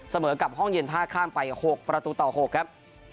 เสมอกับห้องเย็นท่าข้ามไป๖ประตูต่อ๖ครับ